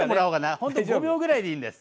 ほんと５秒ぐらいでいいんです。